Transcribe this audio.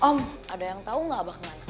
om ada yang tau gak bakalan